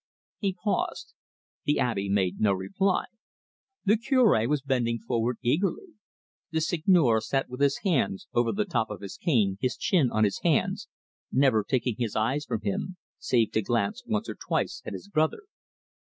He paused. The Abbe made no reply. The Cure was bending forward eagerly; the Seigneur sat with his hands over the top of his cane, his chin on his hands, never taking his eyes from him, save to glance once or twice at his brother.